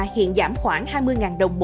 hiện giảm khoảng hai mươi đồng